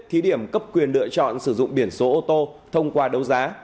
thí điểm cấp quyền lựa chọn sử dụng biển số ô tô thông qua đấu giá